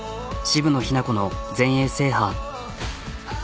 渋野日向子の全英制覇。